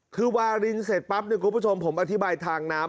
คือวารินเสร็จปั๊บเนี่ยคุณผู้ชมผมอธิบายทางน้ำ